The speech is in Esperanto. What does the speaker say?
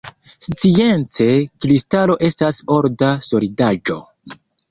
Science, kristalo estas orda solidaĵo.